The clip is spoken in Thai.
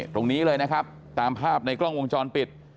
ตรงนี้เลยนะครับตามภาพในกล้องวงจรปิด